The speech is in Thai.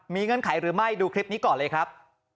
เงื่อนไขหรือไม่ดูคลิปนี้ก่อนเลยครับ